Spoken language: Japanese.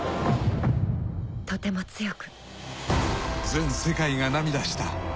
とても強く。